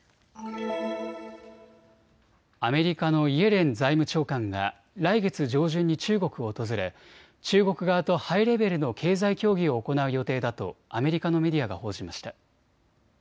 アメリカのイエレン財務長官が来月上旬に中国を訪れ中国側とハイレベルの経済協議を行う予定だとアメリカのメディアが報じました。